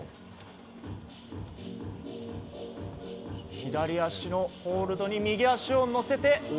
左足のホールドに右足を入れ替えた。